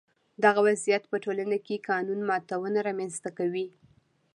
دغه وضعیت په ټولنه کې قانون ماتونه رامنځته کوي.